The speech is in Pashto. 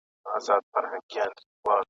زموږ په سیوري کي جامونه کړنګېدلای ..